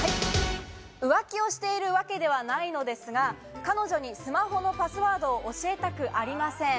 浮気をしているわけではないのですが、彼女にスマホのパスワードを教えたくありません。